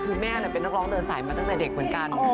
คือแม่เป็นนักร้องเดินสายมาตั้งแต่เด็กเหมือนกัน